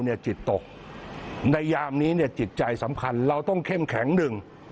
จิตตกในยามนี้เนี่ยจิตใจสำคัญเราต้องเข้มแข็งหนึ่ง